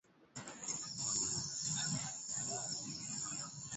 Sabato haikufanyika kwa ajili ya wana wa Israeli pekee bali kwa ajili ya Adam